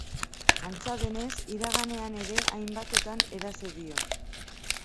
Antza denez, iraganean ere hainbatetan eraso dio.